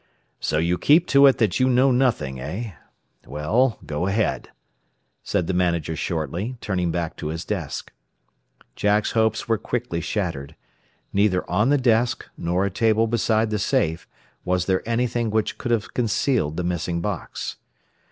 "So you keep to it that you know nothing, eh? Well, go ahead," said the manager shortly, turning back to his desk. Jack's hopes were quickly shattered. Neither on the desk, nor a table beside the safe, was there anything which could have concealed the missing box.